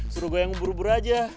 suruh gue yang bubur buru aja